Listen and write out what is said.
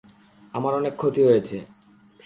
আমার অনেক ক্ষতি হয়েছে।